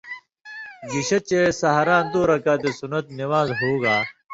گِشے چے سَحراں دو رکاتی سنت نِوان٘ز ہُوگا۔